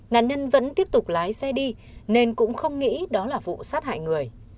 nạn nhân vẫn tiếp tục lái xe đi nên cũng không nghĩ đó là vụ sát hại người